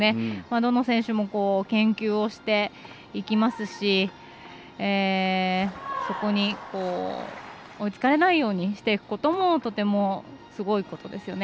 どの選手も研究をしていきますしそこに追いつかれないようにしていくこともとてもすごいことですよね。